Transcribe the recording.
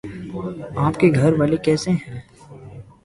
آپ کے گھر والے کیسے ہے